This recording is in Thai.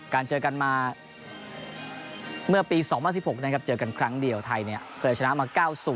เจอกันมาเมื่อปี๒๐๑๖นะครับเจอกันครั้งเดียวไทยเคยชนะมา๙๐